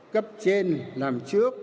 cấp trên làm trước